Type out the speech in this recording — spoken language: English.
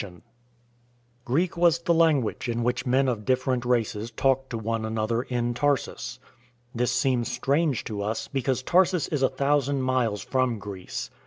38 IN TRAINING Greek was the language in which men of different races talked to one another in Tarsus. This seems strange to us, because Tarsus is a thousand miles from Greece.